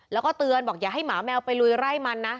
แล้วก็เตือนบอกอย่าให้หมาแมวไปลุยไร่มันนะ